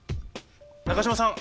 中島さん